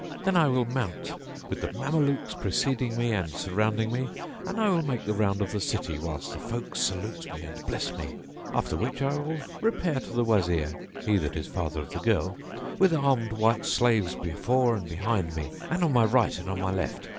Then I will mount with the Mamelukes preceding me and surrounding me, and I will make the round of the city whilst the folk salute me and bless me; after which I will repair to the Wazir (he that is father of the girl) with armed white slaves before and behind me and on my right and on my left.